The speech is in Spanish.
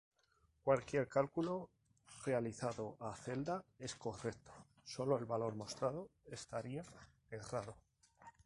Cualquier cálculo realizado a celda es correcto, sólo el valor mostrado estaría errado.